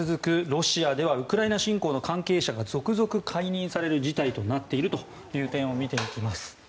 ロシアではウクライナ侵攻の関係者が続々解任される事態になっている点を見ていきます。